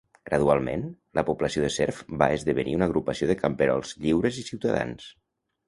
Gradualment, la població de serfs va esdevenir una agrupació de camperols lliures i ciutadans.